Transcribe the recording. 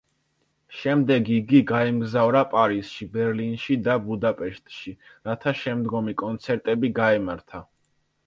შემდეგ იგი გაემგზავრა პარიზში, ბერლინში და ბუდაპეშტში, რათა შემდგომი კონცერტები გაემართა.